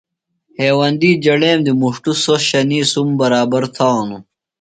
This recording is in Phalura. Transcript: ہیوندی جڑیم دی مُݜٹوۡ سوۡ شنیی سُمہ برابر تھانُوۡ۔